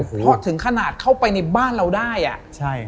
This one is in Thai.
เพราะถึงขนาดเข้าไปในบ้านเราได้อ่ะใช่